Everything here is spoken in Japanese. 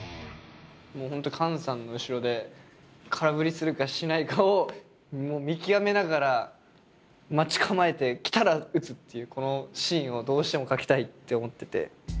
もう本当にカンさんの後ろで空振りするかしないかを見極めながら待ち構えて来たら打つっていうこのシーンをどうしても書きたいって思ってて。